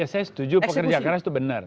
saya setuju pekerja keras itu benar